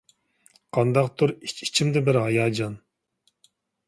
قانداقتۇر ئىچ-ئىچىمدە بىر ھاياجان.